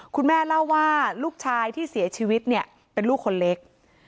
คุณแม่เล่าว่าลูกชายที่เสียชีวิตเนี่ยเป็นลูกคนเล็ก